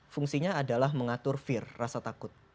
fungsinya adalah mengatur fear rasa takut